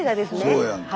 そうやんか。